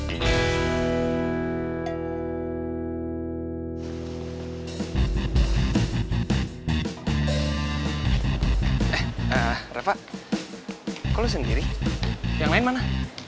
eh ah rafa kau sendiri yang lain mana